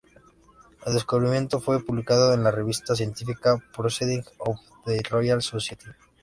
El descubrimiento fue publicado en la revista científica "Proceedings of the Royal Society B".